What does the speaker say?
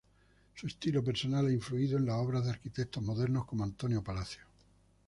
Su estilo personal ha influido en la obra de arquitectos modernos como Antonio Palacios.